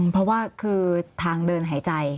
เพราะว่าคือทางเดินหายใจ